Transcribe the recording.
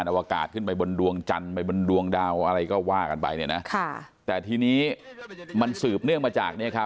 ทนิการเอาอากาศขึ้นไปบนดวงจันไลน์บนดวงดาวอะไรก็ว่ากันไปแต่ทีนี้มันสืบเนื่องมาจาก